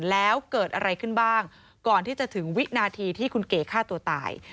แล้วเกิดอะไรขึ้นบ้างก่อนที่จะถึงวินาทีที่คุณเก๋ฆ่าตัวตาย